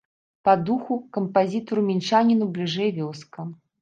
Па духу, кампазітару-мінчаніну бліжэй вёска.